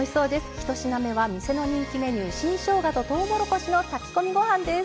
１品目は店の人気メニュー新しょうがととうもろこしの炊き込みご飯です。